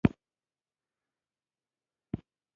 وهابیزم په نولسمه پېړۍ کې له سعودي عربستان څخه هند ته راغی.